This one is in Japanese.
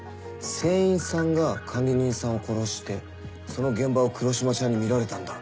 船員さんが管理人さんを殺してその現場を黒島ちゃんに見られたんだ。